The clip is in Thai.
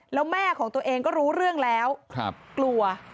แล้วแม่ของตัวเองก็รู้เรื่องแล้วกลัว